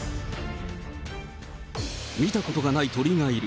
見たことがない鳥がいる。